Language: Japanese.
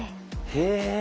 へえ。